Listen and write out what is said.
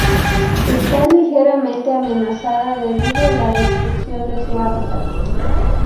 Está ligeramente amenazada debido a la destrucción de su hábitat.